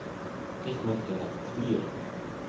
Ich möchte nach Trier